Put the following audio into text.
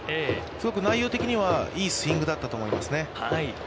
すごく内容的にはいいスイングだったと思いますね。